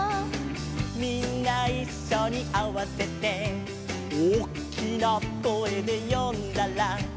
「みんないっしょにあわせて」「おっきな声で呼んだら」